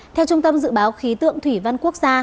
theo trung tâm dự báo khí tượng thủy văn quốc gia